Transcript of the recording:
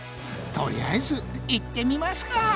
とりあえず行ってみますか。